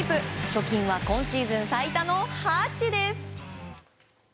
貯金は今シーズン最多の８です。